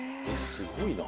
すごいな。